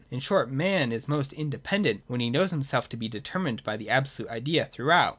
In short, man is most independent when he knows himself to be determined by the absolute idea throughout.